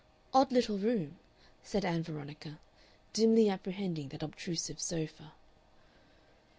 "Odd little room," said Ann Veronica, dimly apprehending that obtrusive sofa.